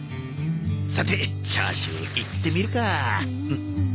さてチャーシューいってみるか。